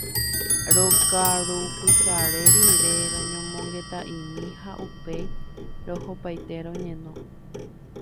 Rokarupyhare rire roñomongeta'imi ha upéi rohopaite roñeno.